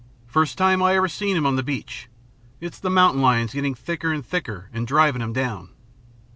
"First time I ever seen 'em on the beach. It's the mountain lions getting thicker and thicker and driving 'em down."